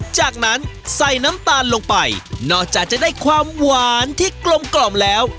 จากนั้นใส่น้ำตาลลงไปนอกจากจะได้ความหวานที่กลมกล่อมแล้ว